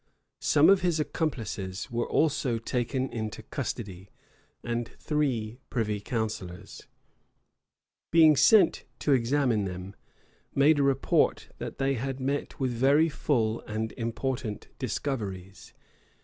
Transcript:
Some of his accomplices were also taker into custody; and three privy counsellors, being sent to examine them, made a report, that they had met with very full and important discoveries.